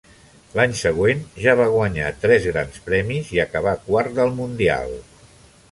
L'any següent ja va guanyar tres Grans Premis i acabà quart del Mundial.